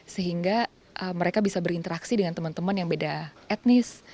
sehingga mereka bisa berinteraksi dengan teman teman yang beda etnis